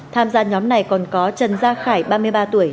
tham gia nhóm này còn có trần gia khải ba mươi ba tuổi